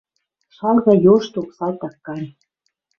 Шалга йошток, салтак гань, —